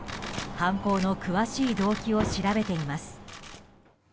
犯行の詳しい動機を調べています。